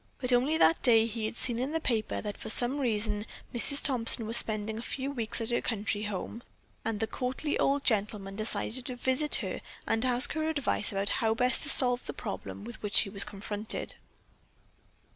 But only that day he had seen in the paper that for some reason Mrs. Thompson was spending a few weeks at her country home, and the courtly old gentleman decided to visit her and ask her advice about how best to solve the problem with which he was confronted.